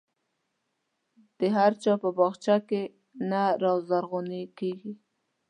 د هر چا په باغچه کې نه رازرغون کېږي.